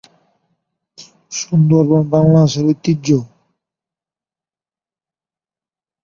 এর সদস্য সকলের জন্যে উন্মুক্ত।